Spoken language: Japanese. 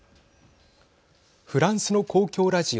フランスの公共ラジオ